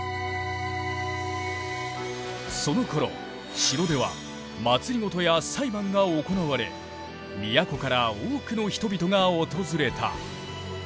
そのころ城では政や裁判が行われ都から多くの人々が訪れた。